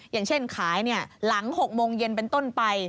อย่างเช่นขายหลัง๖โมงเย็นเป็นต้นไป